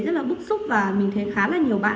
rất là bức xúc và mình thấy khá là nhiều bạn